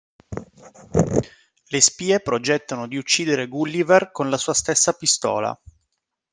Le spie progettano di uccidere Gulliver con la sua stessa pistola.